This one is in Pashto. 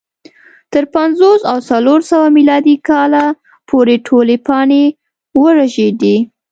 تر پنځوس او څلور سوه میلادي کاله پورې ټولې پاڼې ورژېدې